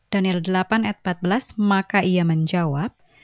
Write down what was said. daniel delapan ayat empat belas maka ia menjawab